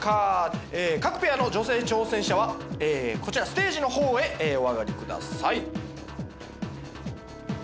各ペアの女性挑戦者はこちらステージの方へお上がりください。